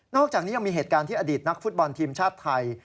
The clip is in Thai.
อกจากนี้ยังมีเหตุการณ์ที่อดีตนักฟุตบอลทีมชาติไทย